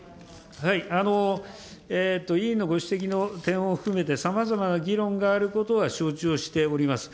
委員のご指摘の点を含めて、さまざまな議論があることは承知をしております。